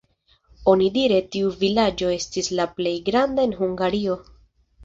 Onidire tiu vilaĝo estis la plej granda en Hungario.